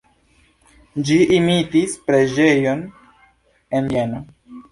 Ĝi imitis preĝejon en Vieno.